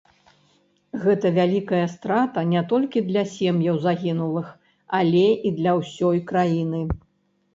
Гэта вялікая страта не толькі для сем'яў загінулых, але і для ўсёй краіны.